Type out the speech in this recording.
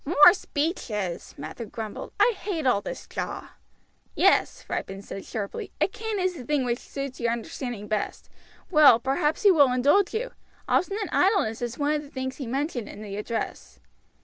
"More speeches!" Mather grumbled. "I hate all this jaw." "Yes," Ripon said sharply; "a cane is the thing which suits your understanding best. Well, perhaps he will indulge you; obstinate idleness is one of the things he mentioned in the address."